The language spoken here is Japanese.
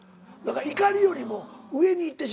怒りよりも上に行ってしまう。